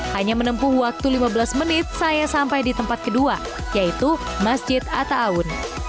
hanya menempuh waktu lima belas menit saya sampai di tempat kedua yaitu masjid atta'awun